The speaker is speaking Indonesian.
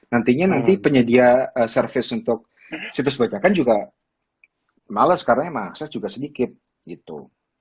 nantinya nanti penyedia service untuk situs bajakan juga males karena emang akses juga sedikit gitu